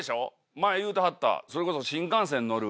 前言うてはったそれこそ新幹線乗る。